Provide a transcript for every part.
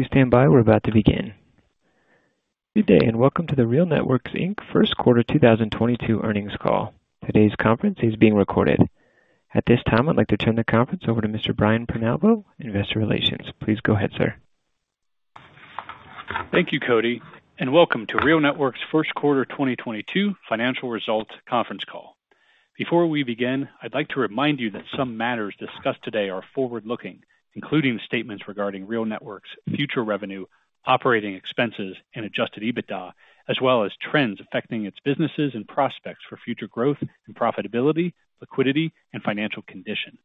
Please stand by. We're about to begin. Good day, and welcome to the RealNetworks, Inc. First Quarter 2022 earnings call. Today's conference is being recorded. At this time, I'd like to turn the conference over to Mr. Brian Prenoveau, investor relations. Please go ahead, sir. Thank you, Cody, and welcome to RealNetworks First Quarter 2022 financial results conference call. Before we begin, I'd like to remind you that some matters discussed today are forward-looking, including statements regarding RealNetworks future revenue, operating expenses, and adjusted EBITDA, as well as trends affecting its businesses and prospects for future growth and profitability, liquidity, and financial condition.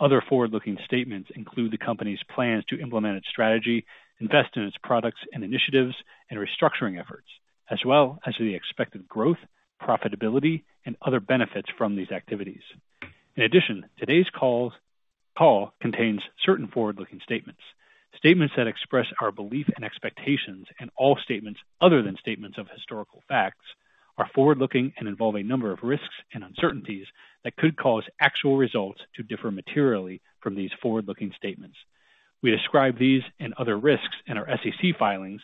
Other forward-looking statements include the company's plans to implement its strategy, invest in its products and initiatives and restructuring efforts, as well as the expected growth, profitability, and other benefits from these activities. In addition, today's call contains certain forward-looking statements. Statements that express our belief and expectations and all statements other than statements of historical facts are forward-looking and involve a number of risks and uncertainties that could cause actual results to differ materially from these forward-looking statements. We describe these and other risks in our SEC filings,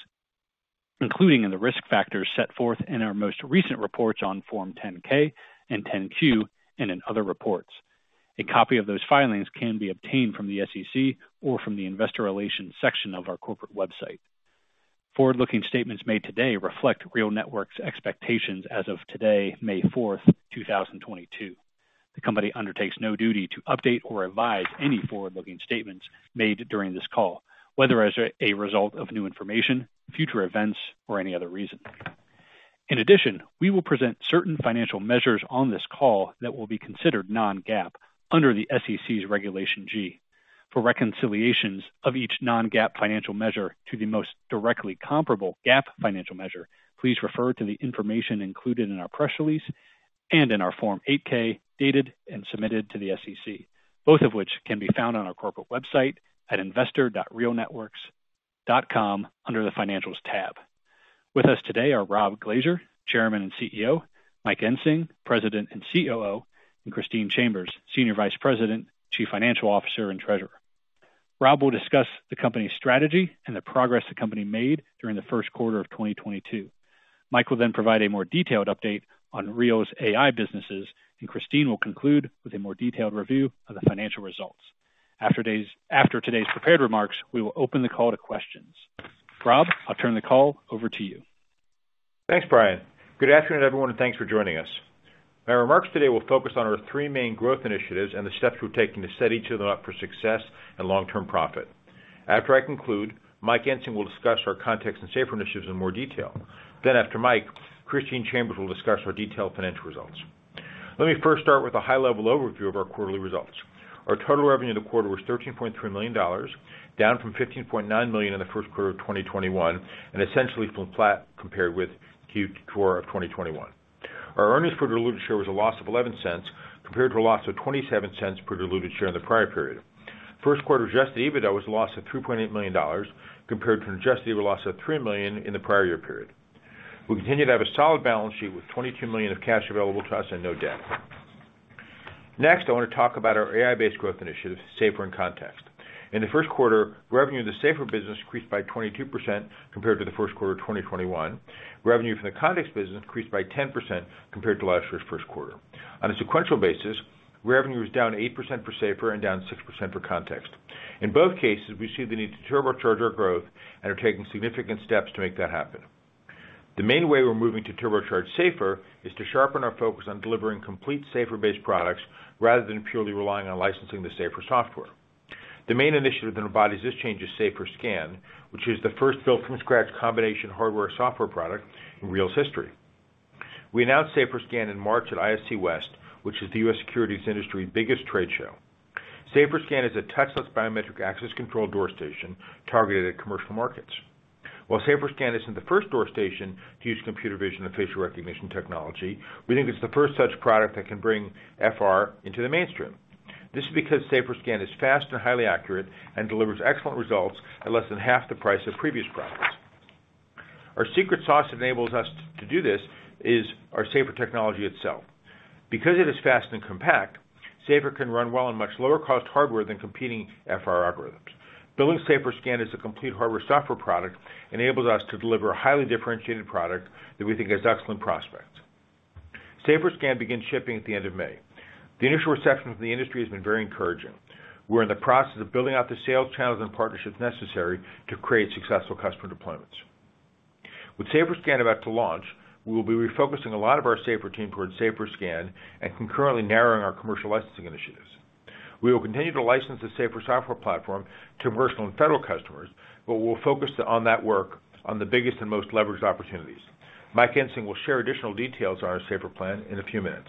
including in the risk factors set forth in our most recent reports on Form 10-K and 10-Q and in other reports. A copy of those filings can be obtained from the SEC or from the investor relations section of our corporate website. Forward-looking statements made today reflect RealNetworks expectations as of today, May 4th, 2022. The company undertakes no duty to update or revise any forward-looking statements made during this call, whether as a result of new information, future events, or any other reason. In addition, we will present certain financial measures on this call that will be considered non-GAAP under the SEC's Regulation G. For reconciliations of each non-GAAP financial measure to the most directly comparable GAAP financial measure, please refer to the information included in our press release and in our Form 8-K dated and submitted to the SEC, both of which can be found on our corporate website at investor.realnetworks.com under the Financials tab. With us today are Rob Glaser, Chairman and CEO, Mike Ensing, President and COO, and Christine Chambers, Senior Vice President, Chief Financial Officer, and Treasurer. Rob will discuss the company's strategy and the progress the company made during the first quarter of 2022. Mike will then provide a more detailed update on Real's AI businesses, and Christine will conclude with a more detailed review of the financial results. After today's prepared remarks, we will open the call to questions. Rob, I'll turn the call over to you. Thanks, Brian. Good afternoon, everyone, and thanks for joining us. My remarks today will focus on our three main growth initiatives and the steps we're taking to set each of them up for success and long-term profit. After I conclude, Mike Ensing will discuss our KONTXT and SAFR initiatives in more detail. After Mike, Christine Chambers will discuss our detailed financial results. Let me first start with a high-level overview of our quarterly results. Our total revenue in the quarter was $13.3 million, down from $15.9 million in the first quarter of 2021 and essentially flat compared with Q4 of 2021. Our earnings per diluted share was a loss of $0.11 compared to a loss of $0.27 per diluted share in the prior period. First quarter adjusted EBITDA was a loss of $2.8 million compared to an adjusted EBITDA loss of $3 million in the prior year period. We continue to have a solid balance sheet with $22 million of cash available to us and no debt. Next, I want to talk about our AI-based growth initiatives, SAFR and KONTXT. In the first quarter, revenue in the SAFR business increased by 22% compared to the first quarter of 2021. Revenue from the KONTXT business increased by 10% compared to last year's first quarter. On a sequential basis, revenue is down 8% for SAFR and down 6% for KONTXT. In both cases, we see the need to turbocharge our growth and are taking significant steps to make that happen. The main way we're moving to turbocharge SAFR is to sharpen our focus on delivering complete SAFR-based products rather than purely relying on licensing the SAFR software. The main initiative that embodies this change is SAFR SCAN, which is the first built-from-scratch combination hardware, software product in Real's history. We announced SAFR SCAN in March at ISC West, which is the U.S. security industry's biggest trade show. SAFR SCAN is a touchless biometric access control door station targeted at commercial markets. While SAFR SCAN isn't the first door station to use computer vision and facial recognition technology, we think it's the first such product that can bring FR into the mainstream. This is because SAFR SCAN is fast and highly accurate and delivers excellent results at less than half the price of previous products. Our secret sauce enables us to do this is our SAFR technology itself. Because it is fast and compact, SAFR can run well on much lower cost hardware than competing FR algorithms. Building SAFR SCAN as a complete hardware software product enables us to deliver a highly differentiated product that we think has excellent prospects. SAFR SCAN begins shipping at the end of May. The initial reception from the industry has been very encouraging. We're in the process of building out the sales channels and partnerships necessary to create successful customer deployments. With SAFR SCAN about to launch, we will be refocusing a lot of our SAFR team towards SAFR SCAN and concurrently narrowing our commercial licensing initiatives. We will continue to license the SAFR software platform to commercial and federal customers, but we'll focus on that work on the biggest and most leveraged opportunities. Mike Ensing will share additional details on our SAFR plan in a few minutes.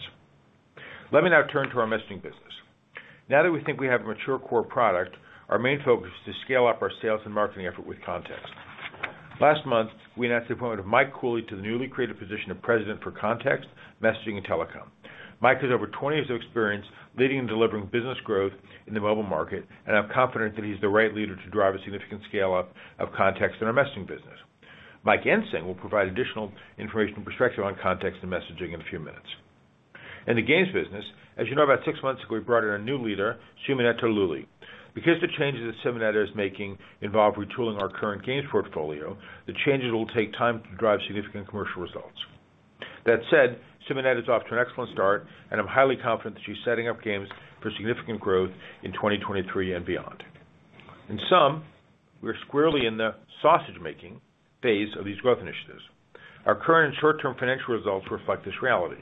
Let me now turn to our messaging business. Now that we think we have a mature core product, our main focus is to scale up our sales and marketing effort with KONTXT. Last month, we announced the appointment of Mike Cooley to the newly created position of President for KONTXT, Messaging, and Telecom. Mike has over 20 years of experience leading and delivering business growth in the mobile market, and I'm confident that he's the right leader to drive a significant scale-up of KONTXT in our messaging business. Mike Ensing will provide additional information and perspective on KONTXT and messaging in a few minutes. In the games business, as you know, about six months ago, we brought in a new leader, Simonetta Lulli. Because the changes that Simonetta is making involve retooling our current games portfolio, the changes will take time to drive significant commercial results. That said, Simonetta is off to an excellent start, and I'm highly confident that she's setting up games for significant growth in 2023 and beyond. In sum, we're squarely in the sausage-making phase of these growth initiatives. Our current and short-term financial results reflect this reality.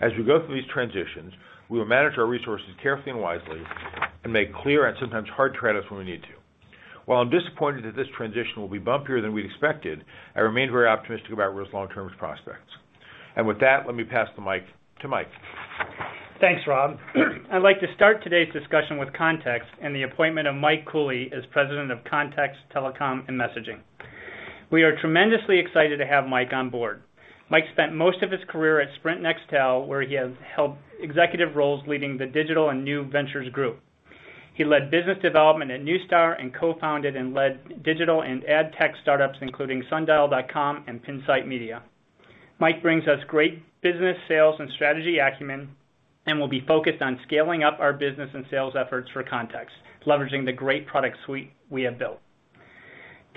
As we go through these transitions, we will manage our resources carefully and wisely and make clear and sometimes hard trade-offs when we need to. While I'm disappointed that this transition will be bumpier than we expected, I remain very optimistic about RealNetworks's long-term prospects. With that, let me pass the mic to Mike. Thanks, Rob. I'd like to start today's discussion with KONTXT and the appointment of Mike Cooley as President of KONTXT, Telecom, and Messaging. We are tremendously excited to have Mike on board. Mike spent most of his career at Sprint Nextel, where he has held executive roles leading the digital and new ventures group. He led business development at Neustar and co-founded and led digital and ad tech startups, including sundial.com and Pinsight Media. Mike brings us great business sales and strategy acumen and will be focused on scaling up our business and sales efforts for KONTXT, leveraging the great product suite we have built.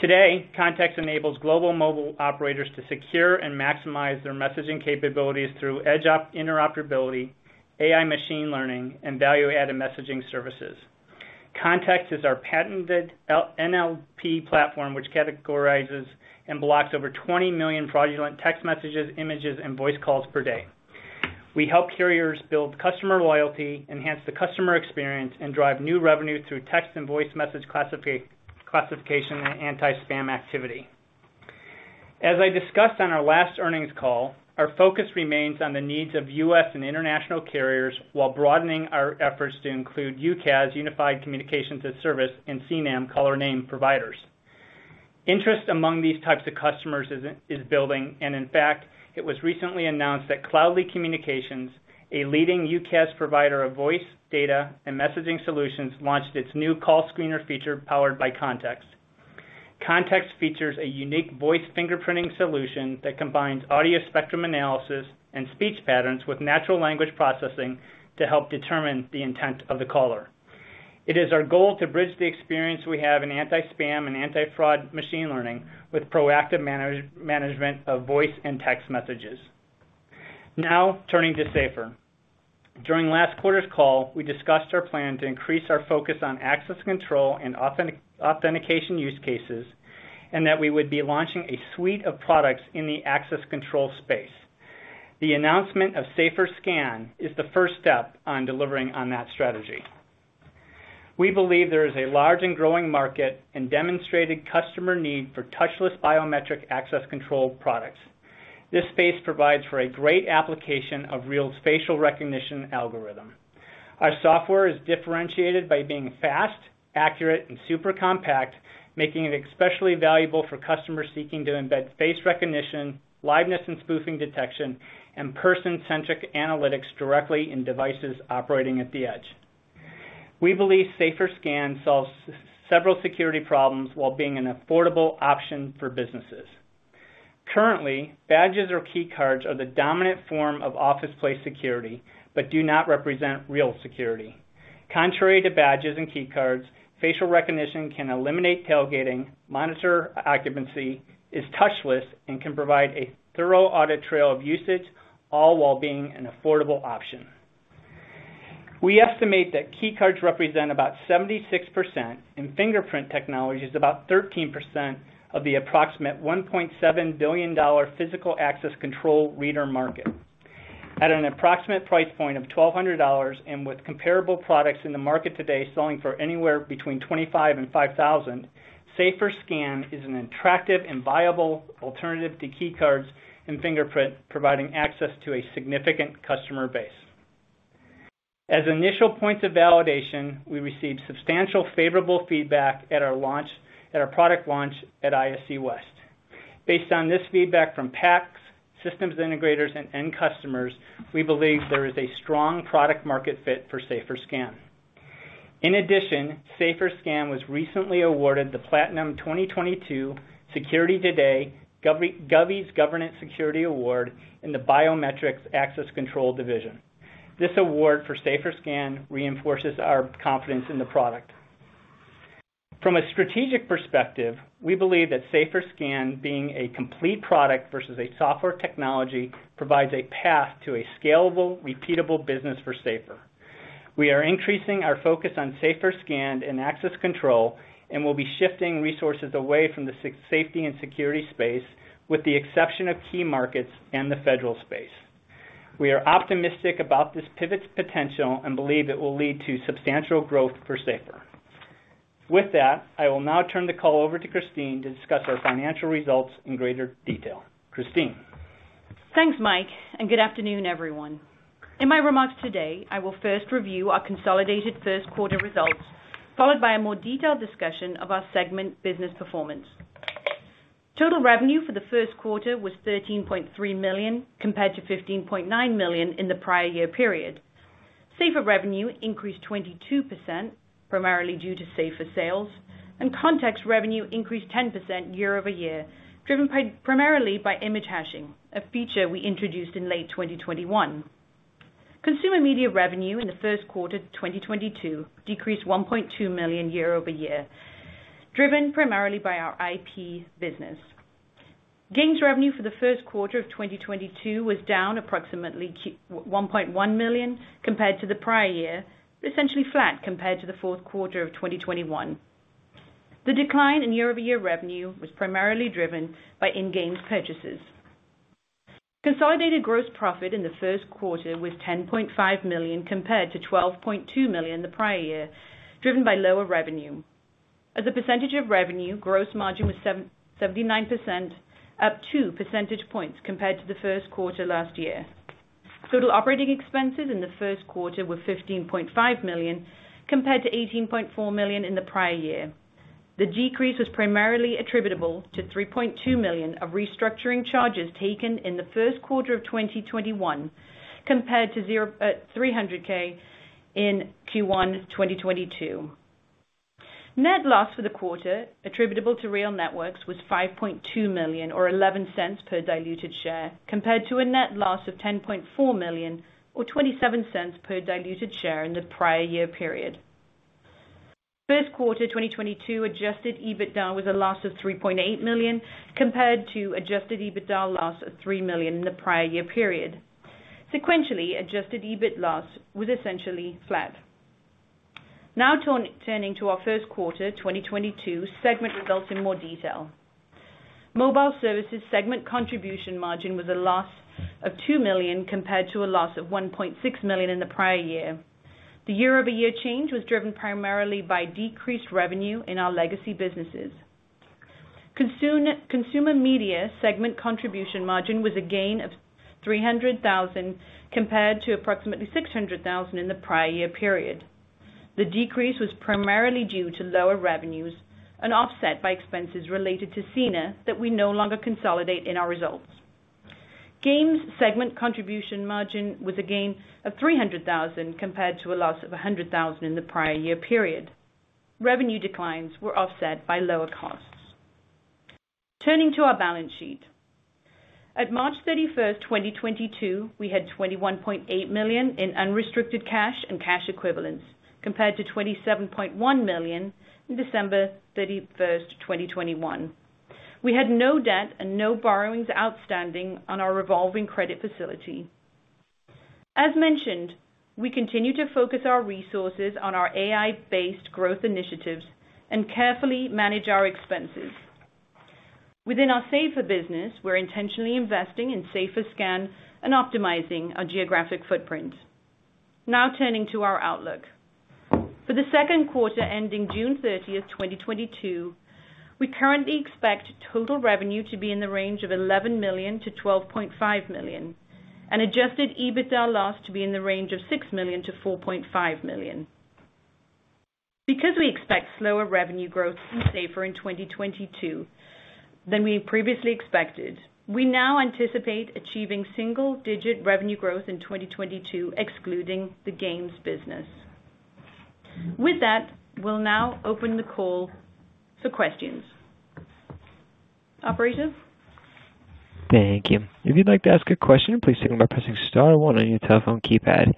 Today, KONTXT enables global mobile operators to secure and maximize their messaging capabilities through edge interoperability, AI machine learning, and value-added messaging services. KONTXT is our patented NLP platform, which categorizes and blocks over 20 million fraudulent text messages, images, and voice calls per day. We help carriers build customer loyalty, enhance the customer experience, and drive new revenue through text and voice message classification and anti-spam activity. As I discussed on our last earnings call, our focus remains on the needs of U.S. and international carriers while broadening our efforts to include UCaaS, Unified Communications as a Service, and CNAM, Caller Name providers. Interest among these types of customers is building, and in fact, it was recently announced that Cloudli Communications, a leading UCaaS provider of voice, data, and messaging solutions, launched its new call screener feature powered by KONTXT. KONTXT features a unique voice fingerprinting solution that combines audio spectrum analysis and speech patterns with natural language processing to help determine the intent of the caller. It is our goal to bridge the experience we have in anti-spam and anti-fraud machine learning with proactive management of voice and text messages. Now turning to SAFR. During last quarter's call, we discussed our plan to increase our focus on access control and authentication use cases and that we would be launching a suite of products in the access control space. The announcement of SAFR SCAN is the first step on delivering on that strategy. We believe there is a large and growing market and demonstrated customer need for touchless biometric access control products. This space provides for a great application of Real's facial recognition algorithm. Our software is differentiated by being fast, accurate, and super compact, making it especially valuable for customers seeking to embed face recognition, liveness and spoofing detection, and person-centric analytics directly in devices operating at the edge. We believe SAFR SCAN solves several security problems while being an affordable option for businesses. Currently, badges or key cards are the dominant form of office place security but do not represent real security. Contrary to badges and key cards, facial recognition can eliminate tailgating, monitor occupancy, is touchless, and can provide a thorough audit trail of usage, all while being an affordable option. We estimate that key cards represent about 76% and fingerprint technology is about 13% of the approximate $1.7 billion physical access control reader market. At an approximate price point of $1,200, and with comparable products in the market today selling for anywhere between $25 and $5,000, SAFR SCAN is an attractive and viable alternative to key cards and fingerprint, providing access to a significant customer base. As initial points of validation, we received substantial favorable feedback at our product launch at ISC West. Based on this feedback from PACS, systems integrators, and end customers, we believe there is a strong product-market fit for SAFR SCAN. In addition, SAFR SCAN was recently awarded the Platinum 2022 Security Today Govies Government Security Award in the Biometrics Access Control division. This award for SAFR SCAN reinforces our confidence in the product. From a strategic perspective, we believe that SAFR SCAN, being a complete product versus a software technology, provides a path to a scalable, repeatable business for SAFR. We are increasing our focus on SAFR SCAN and access control and will be shifting resources away from the safety and security space with the exception of key markets and the federal space. We are optimistic about this pivot's potential and believe it will lead to substantial growth for SAFR. With that, I will now turn the call over to Christine to discuss our financial results in greater detail. Christine. Thanks, Mike, and good afternoon, everyone. In my remarks today, I will first review our consolidated first quarter results, followed by a more detailed discussion of our segment business performance. Total revenue for the first quarter was $13.3 million compared to $15.9 million in the prior year period. SAFR revenue increased 22%, primarily due to SAFR sales, and KONTXT revenue increased 10% year-over-year, driven primarily by image hashing, a feature we introduced in late 2021. Consumer media revenue in the first quarter 2022 decreased $1.2 million year-over-year, driven primarily by our IP business. Games revenue for the first quarter of 2022 was down approximately $1.1 million compared to the prior year, essentially flat compared to the fourth quarter of 2021. The decline in year-over-year revenue was primarily driven by in-game purchases. Consolidated gross profit in the first quarter was $10.5 million compared to $12.2 million the prior year, driven by lower revenue. As a percentage of revenue, gross margin was 77.9%, up 2 percentage points compared to the first quarter last year. Total operating expenses in the first quarter were $15.5 million compared to $18.4 million in the prior year. The decrease was primarily attributable to $3.2 million of restructuring charges taken in the first quarter of 2021 compared to $0, $300K in Q1 2022. Net loss for the quarter attributable to RealNetworks was $5.2 million or $0.11 per diluted share, compared to a net loss of $10.4 million or $0.27 per diluted share in the prior year period. First quarter 2022 adjusted EBITDA was a loss of $3.8 million compared to adjusted EBITDA loss of $3 million in the prior year period. Sequentially, adjusted EBIT loss was essentially flat. Turning to our first quarter 2022 segment results in more detail. Mobile services segment contribution margin was a loss of $2 million compared to a loss of $1.6 million in the prior year. The year-over-year change was driven primarily by decreased revenue in our legacy businesses. Consumer media segment contribution margin was a gain of $300,000 compared to approximately $600,000 in the prior year period. The decrease was primarily due to lower revenues, offset by expenses related to Scener that we no longer consolidate in our results. Games segment contribution margin was a gain of $300,000 compared to a loss of $100,000 in the prior year period. Revenue declines were offset by lower costs. Turning to our balance sheet. At March 31st, 2022, we had $21.8 million in unrestricted cash and cash equivalents compared to $27.1 million in December 31st, 2021. We had no debt and no borrowings outstanding on our revolving credit facility. As mentioned, we continue to focus our resources on our AI-based growth initiatives and carefully manage our expenses. Within our SAFR business, we're intentionally investing in SAFR SCAN and optimizing our geographic footprint. Now turning to our outlook. For the second quarter ending June 30th, 2022, we currently expect total revenue to be in the range of $11 million-$12.5 million and adjusted EBITDA loss to be in the range of $6 million-$4.5 million. Because we expect slower revenue growth in SAFR in 2022 than we previously expected, we now anticipate achieving single-digit revenue growth in 2022, excluding the games business. With that, we'll now open the call for questions. Operator? Thank you. If you'd like to ask a question, please signal by pressing star one on your telephone keypad.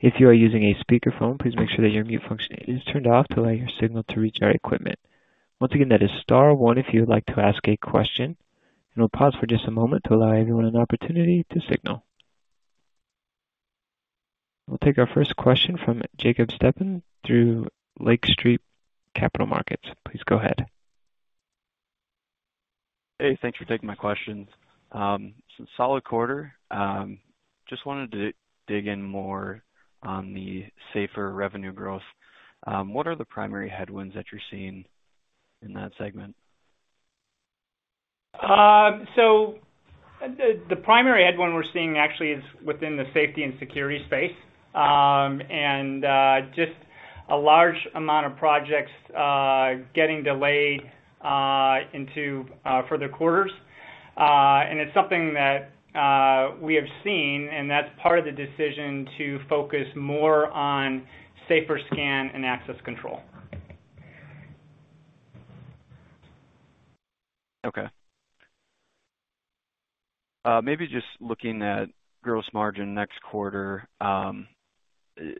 If you are using a speakerphone, please make sure that your mute function is turned off to allow your signal to reach our equipment. Once again, that is star one if you would like to ask a question, and we'll pause for just a moment to allow everyone an opportunity to signal. We'll take our first question from Jacob Stephan through Lake Street Capital Markets. Please go ahead. Hey, thanks for taking my questions. A solid quarter. Just wanted to dig in more on the SAFR revenue growth. What are the primary headwinds that you're seeing in that segment? The primary headwind we're seeing actually is within the safety and security space, and just a large amount of projects getting delayed into further quarters. It's something that we have seen, and that's part of the decision to focus more on SAFR SCAN and access control. Okay. Maybe just looking at gross margin next quarter,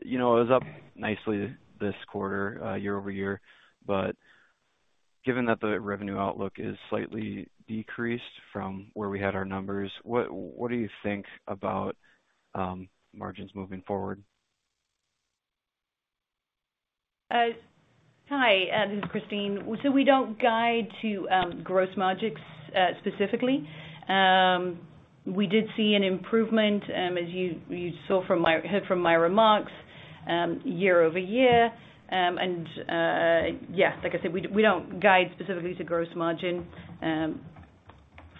you know, it was up nicely this quarter, year-over-year. Given that the revenue outlook is slightly decreased from where we had our numbers, what do you think about margins moving forward? Hi, this is Christine. We don't guide to gross margins specifically. We did see an improvement as you heard from my remarks year-over-year. Yeah, like I said, we don't guide specifically to gross margin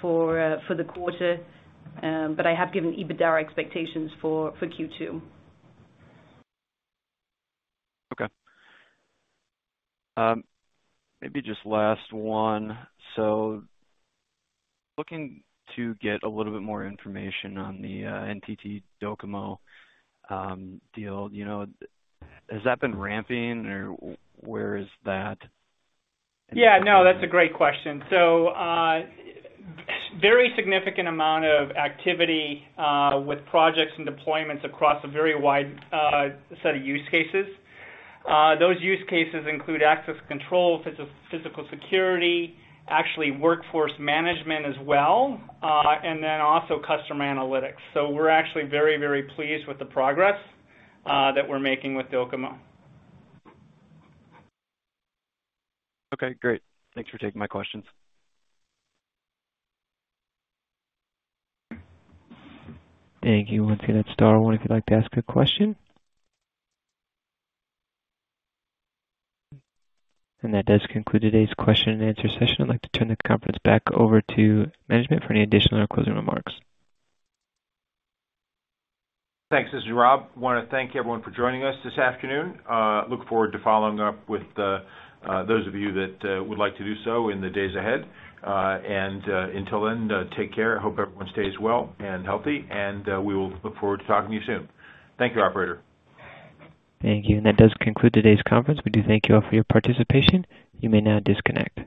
for the quarter. I have given EBITDA expectations for Q2. Okay. Maybe just last one. Looking to get a little bit more information on the NTT DOCOMO deal. You know, has that been ramping or where is that? Yeah, no, that's a great question. Very significant amount of activity with projects and deployments across a very wide set of use cases. Those use cases include access control, physical security, actually workforce management as well, and then also customer analytics. We're actually very, very pleased with the progress that we're making with DOCOMO. Okay, great. Thanks for taking my questions. Thank you. Once again, that's star one if you'd like to ask a question. That does conclude today's question and answer session. I'd like to turn the conference back over to management for any additional closing remarks. Thanks. This is Rob. Wanna thank everyone for joining us this afternoon. Look forward to following up with those of you that would like to do so in the days ahead. Until then, take care. Hope everyone stays well and healthy, and we will look forward to talking to you soon. Thank you, operator. Thank you. That does conclude today's conference. We do thank you all for your participation. You may now disconnect.